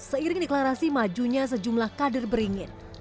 seiring deklarasi majunya sejumlah kader beringin